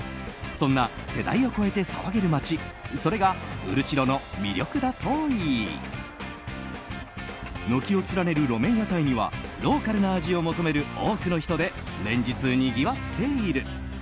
そんな世代を超えて騒げる街それがウルチロの魅力だといい軒を連ねる路面屋台にはローカルな味を求める多くの人で連日、にぎわっている。